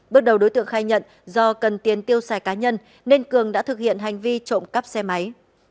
bước đầu đối tượng khai nhận do cần tiền tiêu xài cá nhân nên cường đã thực hiện hành vi trộm cắp xe máy